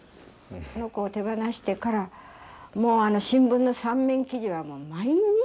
「あの子を手放してからもう新聞の三面記事は毎日見ましたね」